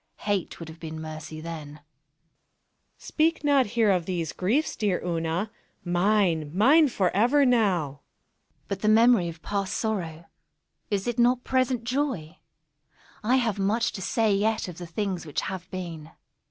Hate would have been mercy then. Monos. Speak not here of these griefs, dear Una—mine, mine, forever now! _ Una._ But the memory of past sorrow—is it not present joy? I have much to say yet of the things which have been.